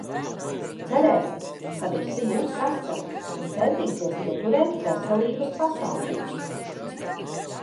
Cerēsim ka visi būs veseli, un centīsies ieturēt veselības pasākumus.